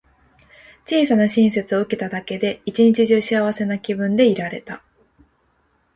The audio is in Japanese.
小さな親切を受けただけで、一日中幸せな気分でいられた。